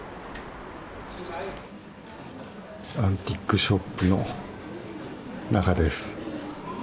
アンティークショップの中です。